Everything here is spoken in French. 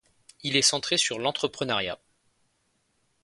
Il est centré sur l'entrepreneuriat.